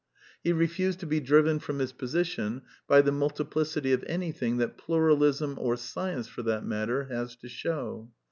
He refused to be driven from his position by the multiplicity of anything that Pluralism, or Science for that matter, has to show.